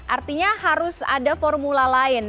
artinya harus ada formula lain